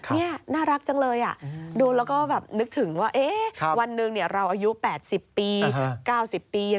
นี่น่ารักจังเลยดูแล้วก็แบบนึกถึงว่าวันหนึ่งเราอายุ๘๐ปี๙๐ปี